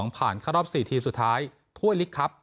ผ่านเข้ารอบ๔ทีมสุดท้ายถ้วยลิกครับ